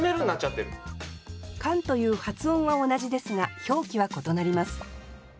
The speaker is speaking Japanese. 「かん」という発音は同じですが表記は異なります。